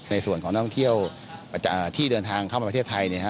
ในส่วนของนักท่องเที่ยวที่เดินทางเข้ามาประเทศไทย